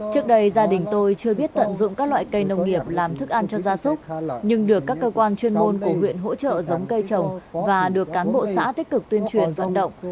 trước đây gia đình tôi chưa biết tận dụng các loại cây nông nghiệp làm thức ăn cho gia súc nhưng được các cơ quan chuyên môn của huyện hỗ trợ giống cây trồng và được cán bộ xã tích cực tuyên truyền vận động